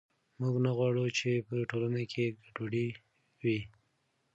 موږ نه غواړو چې په ټولنه کې ګډوډي وي.